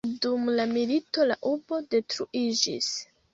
Dum la milito la urbo detruiĝis.